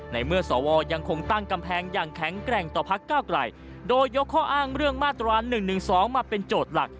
ในเมื่อสวยังคงตั้งกำแพงอย่างแข็งแกร่งต่อพักเก้าไกลโดยยกข้ออ้างเรื่องมาตรา๑๑๒มาเป็นโจทย์หลัก